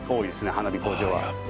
花火工場は。